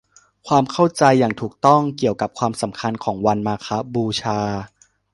ความเข้าใจอย่างถูกต้องเกี่ยวกับความสำคัญของวันมาฆบูชา